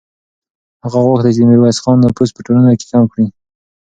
هغه غوښتل چې د میرویس خان نفوذ په ټولنه کې کم کړي.